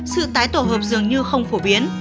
sự tái tổ hợp dường như không phổ biến